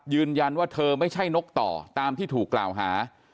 ยืนยันว่าเธอไม่ใช่นกต่อตามที่ถูกกล่าวหา